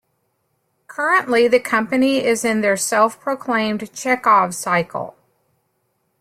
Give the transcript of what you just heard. Currently the company is in their self-proclaimed "Chekhov Cycle".